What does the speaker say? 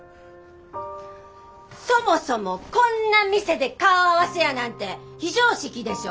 そもそもこんな店で顔合わせやなんて非常識でしょ。